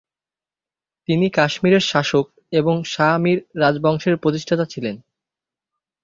তিনি কাশ্মীরের শাসক এবং শাহ মীর রাজবংশের প্রতিষ্ঠাতা ছিলেন।